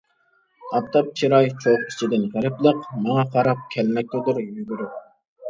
ئاپتاپ چىراي چوغ ئىچىدىن غېرىبلىق، ماڭا قاراپ كەلمەكتىدۇر يۈگۈرۈپ.